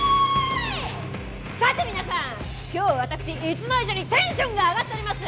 さて皆さん！今日は私いつも以上にテンションが上がっております！